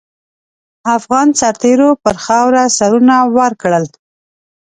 افغان سرتېرو پر خاوره سرونه ورکړل.